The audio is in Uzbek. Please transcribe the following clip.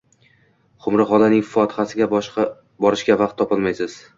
Qumri xolaning fotihasiga borishga vaqt topolmaymiz